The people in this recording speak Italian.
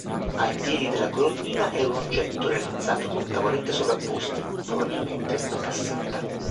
Ai piedi della colonnina è un oggetto realizzato con tavolette sovrapposte, probabilmente una cassetta.